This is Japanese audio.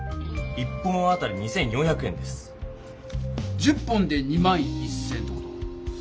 １０本で２１０００円って事は？